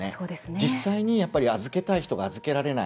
実際に預けたい人が預けられない